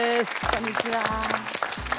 こんにちは。